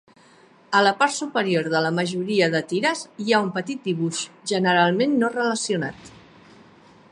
A la part superior de la majoria de tires hi ha un petit dibuix, generalment no relacionat.